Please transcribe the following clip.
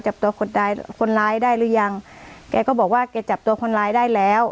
จับตัวคนร้ายคนร้ายได้หรือยังแกก็บอกว่าแกจับตัวคนร้ายได้แล้ว